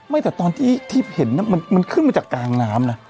แต่ตอนที่เห็นมันขึ้นมาจากกลางน้ำนะ